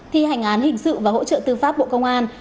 thi hành án hình sự và hỗ trợ tư pháp bộ công an